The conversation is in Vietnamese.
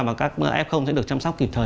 và các f sẽ được chăm sóc kịp thời